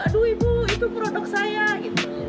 aduh ibu itu produk saya gitu